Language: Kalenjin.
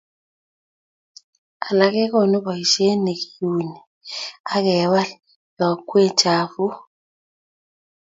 alak kegoni boishet negiuni agewal yokwee chafuk